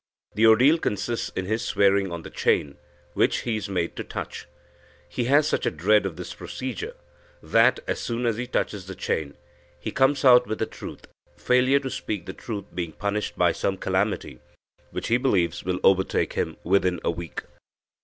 The ordeal consists in his swearing on the chain, which he is made to touch. He has such a dread of this procedure, that, as soon as he touches the chain, he comes out with the truth, failure to speak the truth being punished by some calamity, which he believes will overtake him within a week.